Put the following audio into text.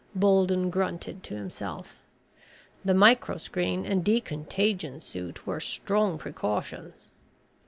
Bolden grunted to himself. The microscreen and decontagion suit were strong precautions.